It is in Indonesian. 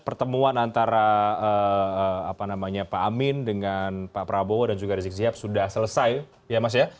pertemuan antara pak amin dengan pak prabowo dan juga rizik siap sudah selesai ya mas ya